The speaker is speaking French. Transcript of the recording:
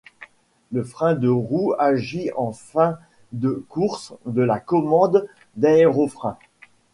Le frein de roue agit en fin de course de la commande d'aérofreins.